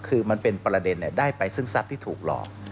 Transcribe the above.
คือมันเป็นประเด็นได้ไปซึ่งทรัพย์ที่ถูกหลอก